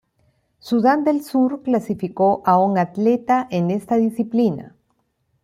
Sudán del Sur clasificó a un atleta en esta disciplina.